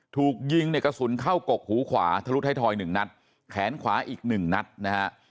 ถูกยิงในกระสุนเข้ากกหูขวาทะลุท้ายทอย๑นัดแขนขวาอีกหนึ่งนัดนะฮะ